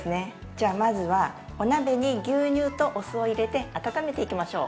じゃまずはお鍋に牛乳とお酢を入れて温めていきましょう。